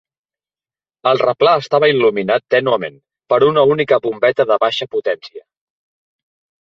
El replà estava il·luminat tènuement per una única bombeta de baixa potència.